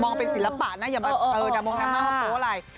มองเป็นศิลปะนะอย่ามาดำวงดังมากก็ไหว